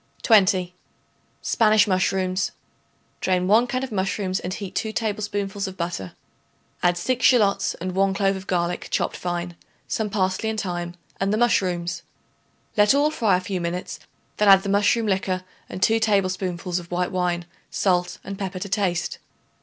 20. Spanish Mushrooms. Drain 1 can of mushrooms and heat 2 tablespoonfuls of butter. Add 6 shallots and 1 clove of garlic chopped fine, some parsley and thyme and the mushrooms. Let all fry a few minutes; then add the mushroom liquor and 2 tablespoonfuls of white wine, salt and pepper to taste.